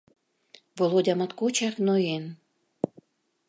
Володя моткочак ноен.